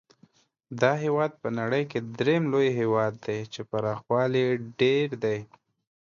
دا هېواد په نړۍ کې درېم لوی هېواد دی چې پراخوالی یې ډېر دی.